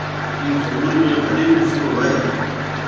ڪيَ ڦول ۾ ڀلِي کشڀوُ هوئي هيَ۔